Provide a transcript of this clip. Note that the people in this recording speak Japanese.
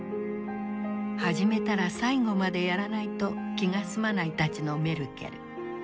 始めたら最後までやらないと気が済まないたちのメルケル。